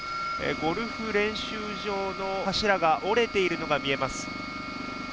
ゴルフ練習場の柱が折れているのが見えます。